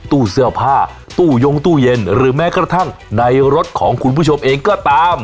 ตู้เสื้อผ้าตู้ยงตู้เย็นหรือแม้กระทั่งในรถของคุณผู้ชมเองก็ตาม